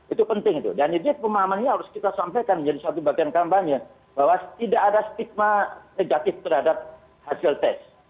itu penting itu dan itu pemahaman ini harus kita sampaikan menjadi suatu bagian kampanye bahwa tidak ada stigma negatif terhadap hasil tes